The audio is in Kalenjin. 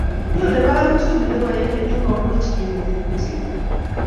Nyone barak uchumi nebo emet ak komuch bik kotelelchikei